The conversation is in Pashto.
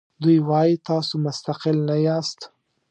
دوی وایي تاسو مستقل نه یاست.